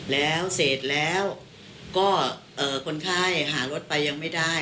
แล้วเสร็จแล้วก็คนไข้หารถไปยังไม่ได้